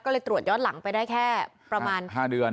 ก็เลยตรวจย้อนหลังไปได้แค่ประมาณ๕เดือน